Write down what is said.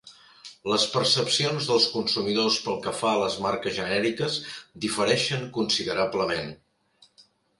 Les percepcions dels consumidors pel que fa a les marques genèriques difereixen considerablement.